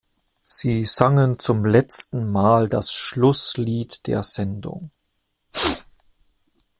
Sie sangen zum letzten Mal das Schlusslied der Sendung.